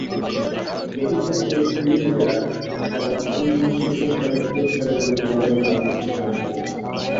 এটি তাঁকে ফিল্মফেয়ার এবং অন্যান্য শীর্ষস্থানীয় পুরস্কারের জন্য মনোনয়ন লাভ করতে সাহায্য করেছে।